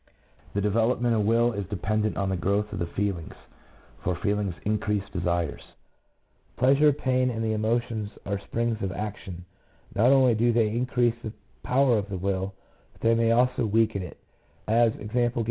The development of will is dependent on the growth of the feelings, for feelings increase desires. Pleasure, pain, and the emotions are springs of action ; not only do they increase the power of the will, but they may also weaken it — as, e.